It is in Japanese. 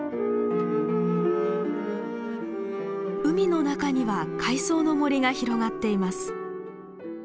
海の中には海藻の森が広がっています。